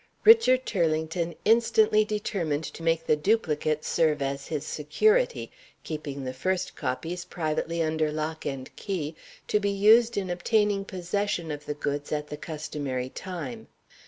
Richard Turlington instantly determined to make the duplicates serve as his security, keeping the first copies privately under lock and key, to be used in obtaining possession of the goods at the customary time.